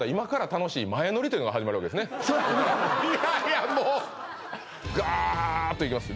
いやいやもうガーッと行きます